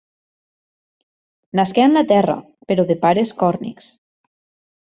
Nasqué a Anglaterra, però de pares còrnics.